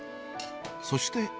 そして。